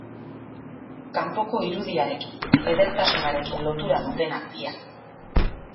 Kanpoko irudiarekin, edertasunarekin lotura dutenak biak.